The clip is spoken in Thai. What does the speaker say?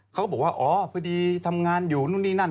เขาบอกว่าอ๋อพอดีทำงานอยู่นู่นนี่นั่น